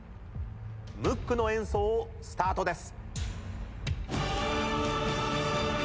ムックの演奏スタートです。